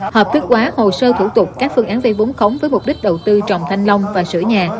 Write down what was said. hợp thức hóa hồ sơ thủ tục các phương án vây vốn khống với mục đích đầu tư trồng thanh long và sửa nhà